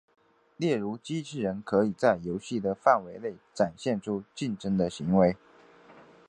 例如机器人可以在游戏的范围内展现出竞争的行为。